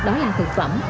đó là thực phẩm